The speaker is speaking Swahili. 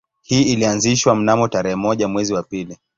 Hii ilianzishwa mnamo tarehe moja mwezi wa pili